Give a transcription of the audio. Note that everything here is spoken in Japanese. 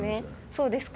そうですか？